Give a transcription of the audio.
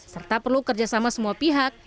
serta perlu kerjasama semua pihak